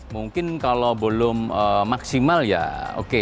mungkin kalau belum maksimal ya oke